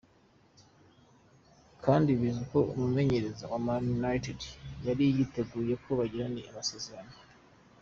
kandi bizwi ko umumenyereza wa Man United yari yiteguriye ko bagiriranira amasezerano.